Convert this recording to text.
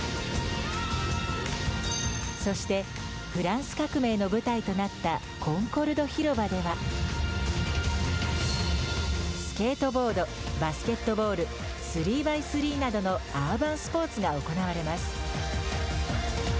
そしてフランス革命の舞台となったコンコルド広場ではスケートボードバスケットボール３Ｘ３などのアーバンスポーツが行われます。